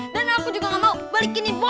dan aku juga gak mau balikin bola